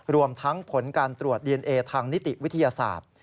รวมทั้งผลการตรวจดีเอนเอทางนิติวิทยาศาสตร์